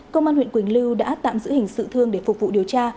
công an huyện quỳnh lưu đã tạm giữ hình sự thương để phục vụ điều tra